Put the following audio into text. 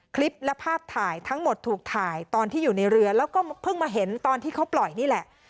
คลิปและภาพถ่ายทั้งหมดถูกถ่ายตอนที่อยู่ในเรือแล้วก็เพิ่งมาเห็นตอนที่เขาปล่อยนี่แหละ